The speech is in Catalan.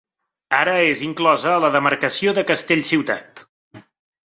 Ara és inclosa a la demarcació de Castellciutat.